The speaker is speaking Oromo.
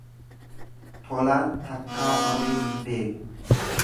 Tolaan takkaa sobee hin beeku.